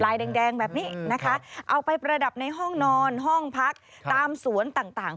แดงแดงแบบนี้นะคะเอาไปประดับในห้องนอนห้องพักตามสวนต่าง